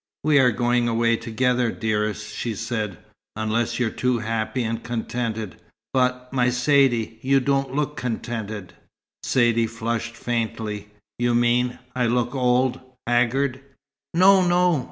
"We are going away together, dearest," she said. "Unless you're too happy and contented. But, my Saidee you don't look contented." Saidee flushed faintly. "You mean I look old haggard?" "No no!"